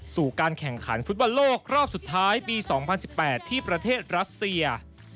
สู่การแข่งขันฟุตบอลโลกรอบสุดท้ายปี๒๐๑๘ที่ประเทศรัสเซีย